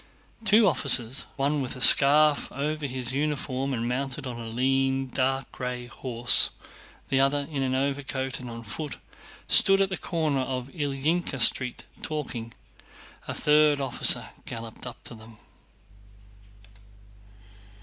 Two officers, one with a scarf over his uniform and mounted on a lean, dark gray horse, the other in an overcoat and on foot, stood at the corner of Ilyínka Street, talking. A third officer galloped up to them.